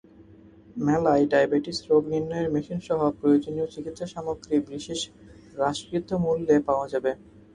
মেলায় ডায়াবেটিস রোগ নির্ণয়ের মেশিনসহ প্রয়োজনীয় চিকিৎসাসামগ্রী বিশেষ হ্রাসকৃত মূল্যে পাওয়া যাবে।